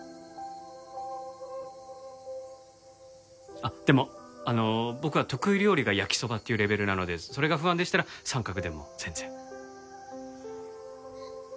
あっでもあの僕は得意料理が焼きそばっていうレベルなのでそれが不安でしたらサンカクでも全然。